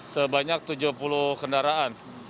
sebanyak tujuh puluh kendaraan